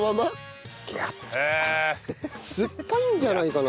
酸っぱいんじゃないかな。